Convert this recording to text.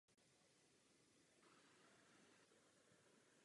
Na konci feudalismu však opět patřily obě vsi ke statku Roztoky.